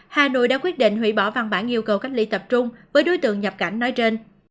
hà nội đã quyết định hủy bỏ văn bản yêu cầu cách ly tập trung với đối tượng nhập cảnh nói trên